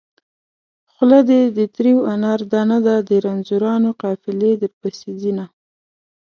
خوله دې د تريو انار دانه ده د رنځورانو قافلې درپسې ځينه